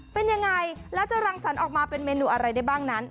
เป็นยังไงแล้วจะรังสรรค์ออกมาเป็นเมนูอะไรได้บ้างนั้น